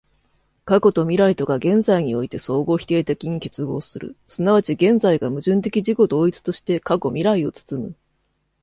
過去と未来とが現在において相互否定的に結合する、即ち現在が矛盾的自己同一として過去未来を包む、